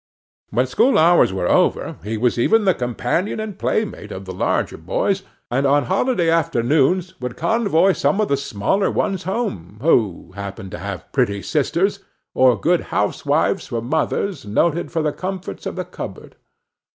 When school hours were over, he was even the companion and playmate of the larger boys; and on holiday afternoons would convoy some of the smaller ones home, who happened to have pretty sisters, or good housewives for mothers, noted for the comforts of the cupboard.